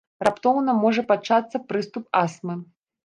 Раптоўна можа пачацца прыступ астмы.